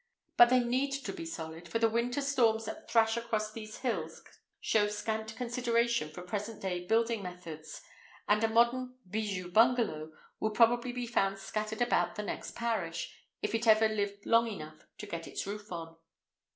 But they need to be solid, for the winter storms that thrash across these hills show scant consideration for present day building methods; and a modern "bijou bungalow" would probably be found scattered about the next parish, if it ever lived long enough to get its roof on!